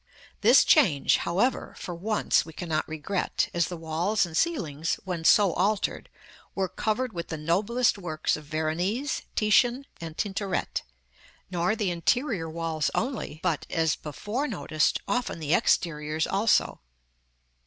This change, however, for once, we cannot regret, as the walls and ceilings, when so altered, were covered with the noblest works of Veronese, Titian, and Tintoret; nor the interior walls only, but, as before noticed, often the exteriors also.